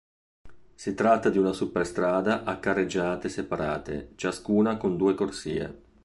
Si tratta di una superstrada a carreggiate separate, ciascuna con due corsie.